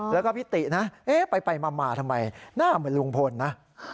แล้วก็พี่ตินะไปมาทำไมหน้าเหมือนลุงพลนะ